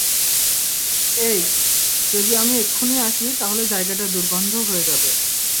এই, যদি আমি এক্ষুণি আসি তাহলে জায়গাটা দুর্গন্ধ হয়ে যাবে।